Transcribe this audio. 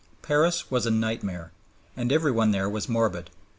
Paris was a nightmare, and every one there was morbid.